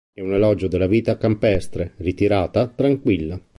È un elogio della vita campestre, ritirata, tranquilla.